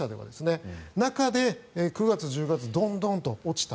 その中で９月、１０月ドンドンと落ちた。